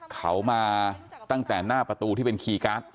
เขามาตั้งแต่หน้าประตูที่เป็นคีย์การ์ด